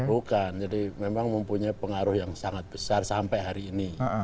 bukan jadi memang mempunyai pengaruh yang sangat besar sampai hari ini